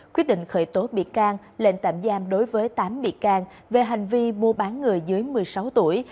quyết định khởi tố bị can lệnh tạm giam đối với tám bị can về hành vi mua bán người dưới một mươi sáu tuổi